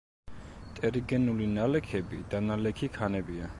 ტერიგენული ნალექები დანალექი ქანებია.